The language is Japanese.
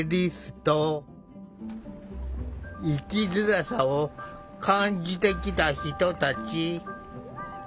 生きづらさを感じてきた人たち。